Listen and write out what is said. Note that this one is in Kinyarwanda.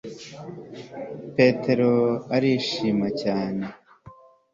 petero arishima cyane